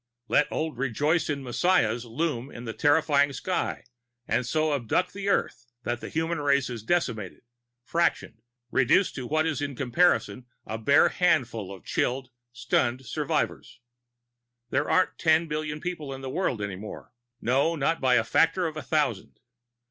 Let old Rejoice in Messias loom in the terrifying sky and so abduct the Earth that the human race is decimated, fractionated, reduced to what is in comparison a bare handful of chilled, stunned survivors. There aren't ten billion people in the world any more. No, not by a factor of a thousand.